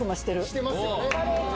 してますよね。